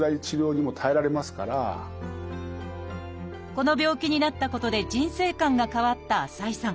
この病気になったことで人生観が変わった浅井さん。